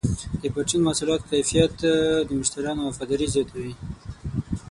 د پرچون محصولاتو کیفیت د مشتریانو وفاداري زیاتوي.